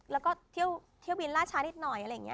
แล้วก็เที่ยวเบียนล่าช้านิดหน่อย